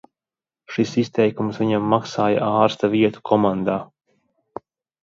Šis izteikums viņam maksāja ārsta vietu komandā.